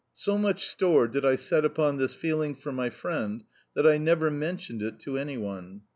So much store did I set upon this feeling for my friend that I never mentioned it to any one.